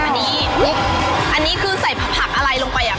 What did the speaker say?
อันนี้อันนี้คือใส่ผักอะไรลงไปอ่ะ